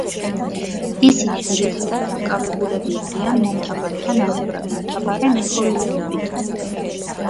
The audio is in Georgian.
ისინი ძირითადად დაკავებულები არიან მომთაბარე და ნახევრადმომთაბარე მეცხოველეობით.